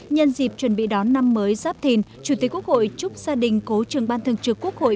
nhân dịp chuẩn bị đón năm mới giáp thìn chủ tịch quốc hội chúc gia đình cố trưởng ban thường trực quốc hội